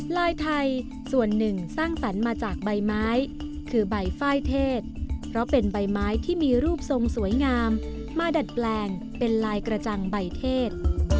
ลายไทยส่วนหนึ่งสร้างสรรค์มาจากใบไม้คือใบฝ้ายเทศเพราะเป็นใบไม้ที่มีรูปทรงสวยงามมาดัดแปลงเป็นลายกระจังใบเทศ